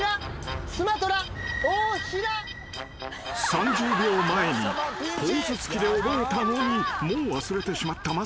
［３０秒前にポーズつきで覚えたのにもう忘れてしまったマッサマン］